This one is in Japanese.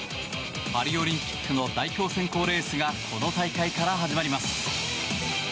パリオリンピックの代表選考レースがこの大会から始まります。